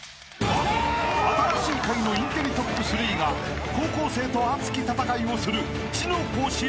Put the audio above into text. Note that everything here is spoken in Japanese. ［『新しいカギ』のインテリトップ３が高校生と熱き戦いをする知の甲子園］